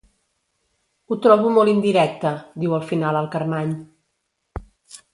Ho trobo molt indirecte —diu al final el Carmany—.